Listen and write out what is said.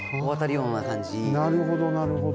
なるほどなるほど。